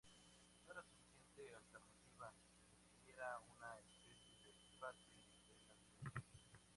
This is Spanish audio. No era suficiente alternativa, que era una especie de debate entre las grietas.